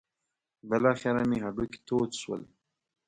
بالاخره مې هډوکي تود شول.